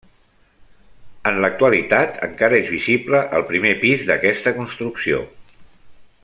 En l'actualitat encara és visible el primer pis d'aquesta construcció.